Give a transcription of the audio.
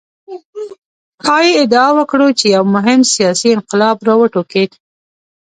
ښايي ادعا وکړو چې یو مهم سیاسي انقلاب راوټوکېد.